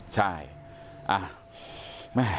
ใช่